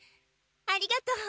ありがとう。